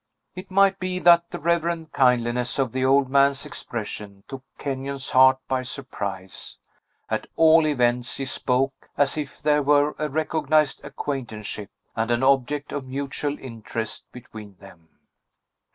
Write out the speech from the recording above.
It might be that the reverend kindliness of the old man's expression took Kenyon's heart by surprise; at all events, he spoke as if there were a recognized acquaintanceship, and an object of mutual interest between them.